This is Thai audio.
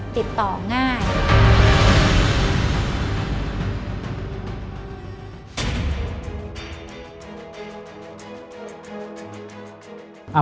ติดต่อง่าย